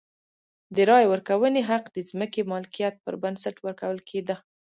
د رایې ورکونې حق د ځمکې مالکیت پر بنسټ ورکول کېده.